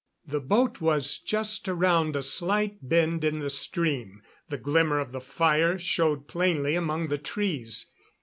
The boat was just around a slight bend in the stream; the glimmer of the fire showed plainly among the trees.